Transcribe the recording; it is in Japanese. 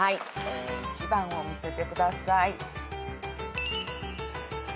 １番を見せてください。